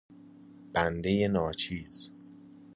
بنده ناچیز